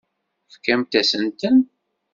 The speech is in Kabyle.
Tefkamt-asent-ten.